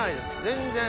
全然。